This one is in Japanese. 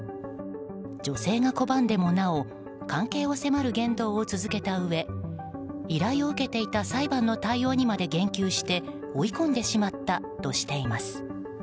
女性が拒んでもなお関係を迫る言動を続けたうえ依頼を受けていた裁判の対応にまで言及して追い込んでしまったとしています。